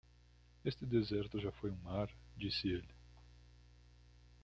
"Este deserto já foi um mar?", disse ele.